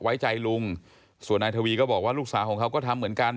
ไว้ใจลุงส่วนนายทวีก็บอกว่าลูกสาวของเขาก็ทำเหมือนกัน